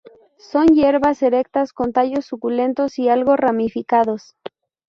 Son hierbas erectas con tallos suculentos y algo ramificados.